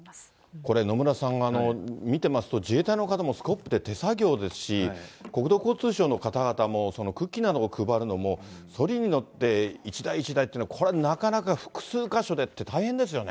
これ、野村さん、見てますと、自衛隊の方もスコップで手作業ですし、国土交通省の方々もクッキーなども配るのも、そりに乗って、一台一台って、これなかなか複数箇所でって、大変ですよね。